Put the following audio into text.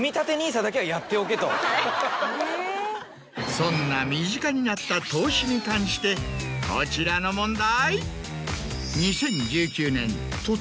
そんな身近になった投資に関してこちらの問題。